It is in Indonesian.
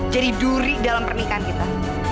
jadi duri dalam pernikahan kita